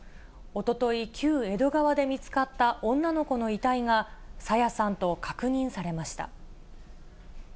おととい、旧江戸川で見つかった女の子の遺体が、朝芽さんと確認されました。